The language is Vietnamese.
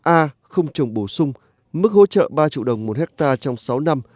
a không trồng bổ sung mức hỗ trợ ba triệu đồng một hectare trong sáu năm